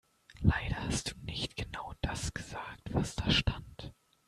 Leider hast du nicht genau das gesagt, was da stand.